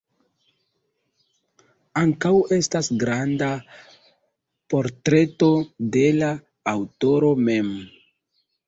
Ankaŭ estas granda portreto de la aŭtoro mem.